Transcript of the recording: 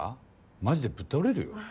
マジでぶっ倒れるよ？